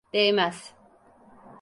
Değmez.